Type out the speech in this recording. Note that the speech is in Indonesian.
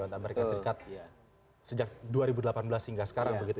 pemerintah amerika serikat sejak dua ribu delapan belas hingga sekarang begitu